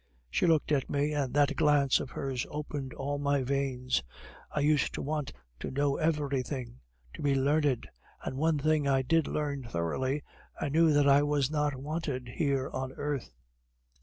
She looked at me, and that glance of hers opened all my veins. I used to want to know everything, to be learned; and one thing I did learn thoroughly I knew that I was not wanted here on earth.